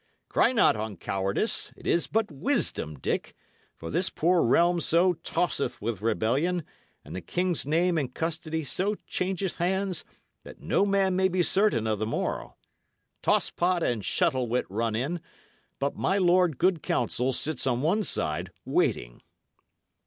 Cry not on cowardice; it is but wisdom, Dick; for this poor realm so tosseth with rebellion, and the king's name and custody so changeth hands, that no man may be certain of the morrow. Toss pot and Shuttle wit run in, but my Lord Good Counsel sits o' one side, waiting."